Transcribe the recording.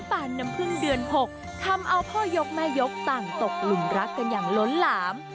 ปานน้ำพึ่งเดือน๖ทำเอาพ่อยกแม่ยกต่างตกหลุมรักกันอย่างล้นหลาม